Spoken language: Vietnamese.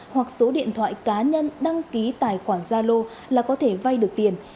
hoặc số điện thoại cá nhân đăng ký tài khoản gia lô là có thể vay được tiền